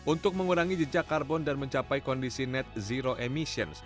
untuk mengurangi jejak karbon dan mencapai kondisi net zero emissions